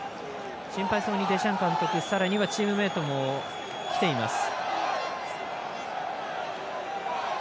心配そうにデシャン監督さらにはチームメートも来ています。